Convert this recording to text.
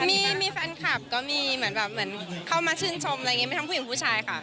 มี๓มีแฟนคลับก็มีมีแบบเหมือนมาชื่นชมหรืออย่างเงี้ยมาช่องผู้หญิงและผู้ชายค่ะ